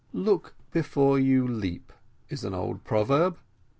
"Look before you leap," is an old proverb.